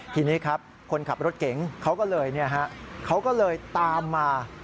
ทีนี้ครับคนขับรถเก่งเขาก็เลยตามมา